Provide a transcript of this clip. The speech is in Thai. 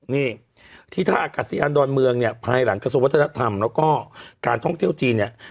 นี่ที่ท่าอากาศยานดอนเมืองเนี่ยภายหลังกระทรวงวัฒนธรรมแล้วก็การท่องเที่ยวจีนเนี่ย